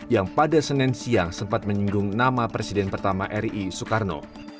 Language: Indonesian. yang pada senin siang sempat menyinggung nama presiden pertama ri soekarno